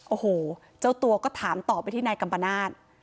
โอ้โหเจ้าตัวก็ถามต่อไปที่นายกัมปนาศ